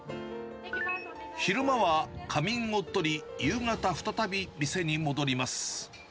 昼間は仮眠をとり、夕方、再び店に戻ります。